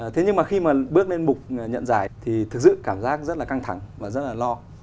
thế nhưng mà khi mà bước lên bục nhận giải thì thực sự cảm giác rất là căng thẳng và rất là lo